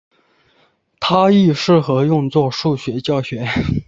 它亦适合用作数学教学。